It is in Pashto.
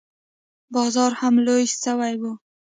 بازار هم لوى سوى و.